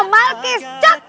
rumah malkis coklat